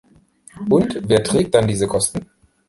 Und wer trägt dann diese Kosten?